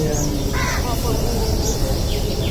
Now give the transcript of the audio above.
Ҡапыл ул: